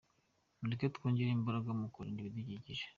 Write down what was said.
Mureke twongere imbaraga mu kurinda ibidukikije.